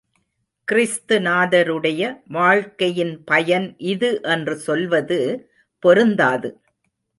கிறிஸ்துநாதருடைய வாழ்கையின் பயன் இது என்று சொல்வது பொருந்தாது.